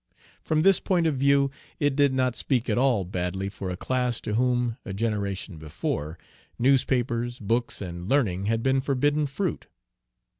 From this point of view it did not speak at all badly for a class to whom, a generation before, newspapers, books, and learning had been forbidden fruit.